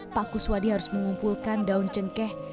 pak kuswadi harus mengumpulkan daun cengkeh